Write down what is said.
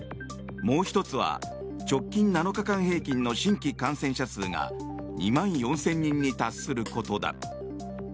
もう１つは直近７日間平均の新規感染者数が２万４０００人に達することだ。